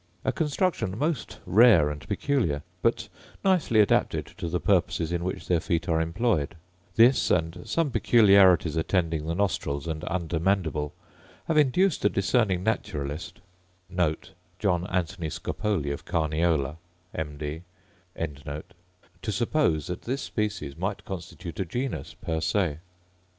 A construction most rare and peculiar, but nicely adapted to the purposes in which their feet are employed. This, and some peculiarities attending the nostrils and under mandible, have induced a discerning naturalist* to suppose that this species might constitute a genus per se.